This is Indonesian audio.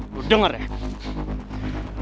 kau denger ya